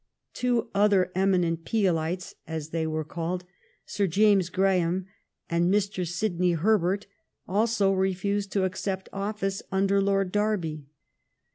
Two other eminent " Peelites," as they were called. Sir James Graham and Mr. Sidney Herbert, also refused to accept office under Lord Derby.